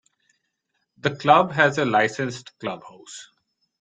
The club has a licensed clubhouse.